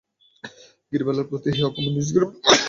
গিরিবালার পিতা হরকুমার এককালে নিজগ্রামের পত্তনিদার ছিলেন।